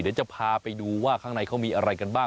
เดี๋ยวจะพาไปดูว่าข้างในเขามีอะไรกันบ้าง